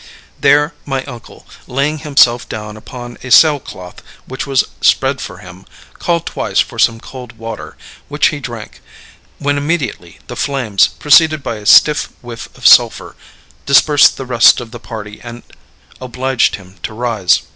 There my uncle, laying himself down upon a sailcloth which was spread for him, called twice for some cold water, which he drank, when immediately the flames, preceded by a strong whiff of sulfur, dispersed the rest of the party and obliged him to rise.